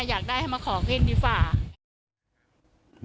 อยากได้ให้มาขอก้าวดีฝ่า